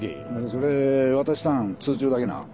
それ渡したん通帳だけなん？